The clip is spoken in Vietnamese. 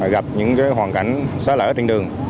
gặp những hoàn cảnh xa lở trên đường